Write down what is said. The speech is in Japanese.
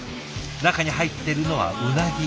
中に入っているのはうなぎ。